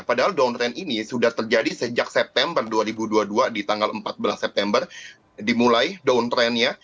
padahal down ini sudah terjadi sejak september dua ribu dua puluh dua di tanggal empat belas september dimulai down trendnya